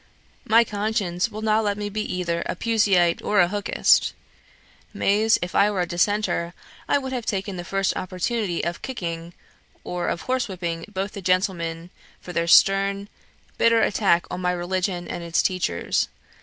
My conscience will not let me be either a Puseyite or a Hookist; mais, if I were a Dissenter, I would have taken the first opportunity of kicking, or of horse whipping both the gentlemen for their stern, bitter attack on my religion and its teachers.